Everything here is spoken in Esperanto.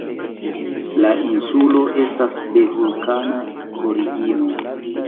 La insulo estas de vulkana origino.